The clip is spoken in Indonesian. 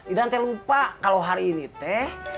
idante lupa kalau hari ini teh